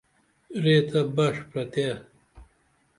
ریتہ بڜ پریتھے